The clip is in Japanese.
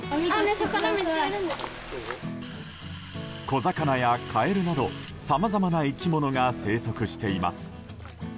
小魚やカエルなどさまざまな生き物が生息しています。